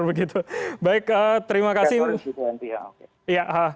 baik terima kasih